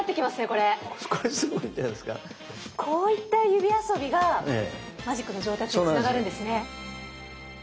こういった指遊びがマジックの上達につながるんですね。